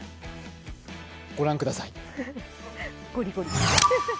ご覧ください。